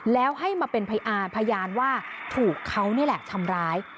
แล้วให้มาเป็นพยานพยานว่าถูกเขานี่แหละทำร้าย